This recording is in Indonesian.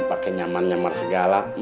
pake nyaman nyamar segala